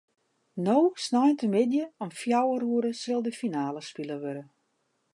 No sneintemiddei om fjouwer oere sil de finale spile wurde.